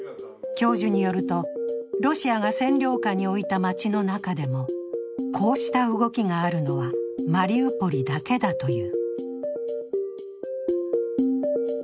教授によると、ロシアが占領下に置いた街の中でもこうした動きがあるのはマリウポリだけだという。